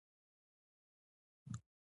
افغانستان کې د سلیمان غر د پرمختګ هڅې روانې دي.